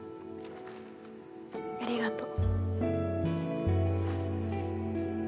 ありがとう。